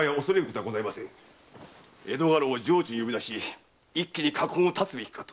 江戸家老を城中に呼び出し一気に禍根を断つべきかと。